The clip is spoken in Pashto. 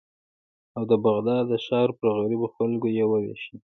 او د بغداد د ښار پر غریبو خلکو یې ووېشل.